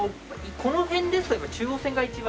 この辺ですとやっぱり中央線が一番。